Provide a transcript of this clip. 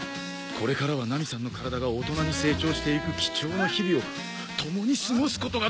これからはナミさんの体が大人に成長していく貴重な日々を共に過ごすことができるってことなのか！？